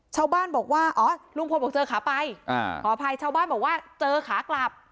ชาวบ้านบอกว่าอ๋อลุงพลบอกเจอขาไปขออภัยชาวบ้านบอกว่าเจอขากลับ